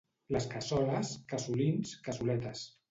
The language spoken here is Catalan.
Les cassoles, cassolins, cassoletes